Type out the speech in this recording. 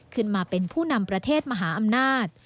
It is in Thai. ขึ้นมาเป็นผู้นำประเทศมหาอำนาจ